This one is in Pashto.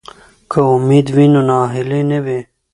که امید وي نو ناهیلي نه وي.